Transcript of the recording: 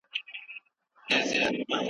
ليکوال له خلکو مرسته غواړي.